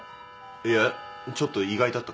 いやちょっと意外だったから。